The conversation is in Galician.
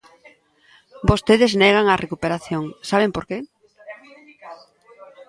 Vostedes negan a recuperación ¿saben por que?